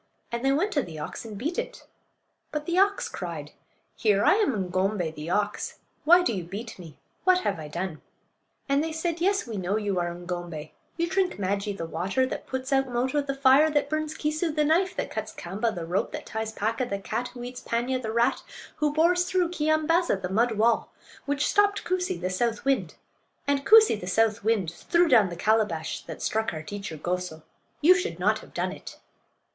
And they went to the ox and beat it. But the ox cried: "Here! I am Ng'om'bay, the ox. Why do you beat me? What have I done?" And they said: "Yes, we know you are Ng'ombay; you drink Maajee, the water; that puts out Moto, the fire; that burns Keesoo, the knife; that cuts Kaamba, the rope; that ties Paaka, the cat; who eats Paanya, the rat; who bores through Keeyambaaza, the mud wall; which stopped Koosee, the south wind; and Koosee, the south wind, threw down the calabash that struck our teacher Goso. You should not have done it."